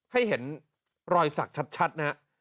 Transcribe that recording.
ให้เห็นรอยสักชัดนะฮะ